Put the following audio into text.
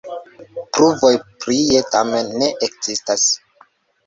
Pruvoj prie tamen ne ekzistas.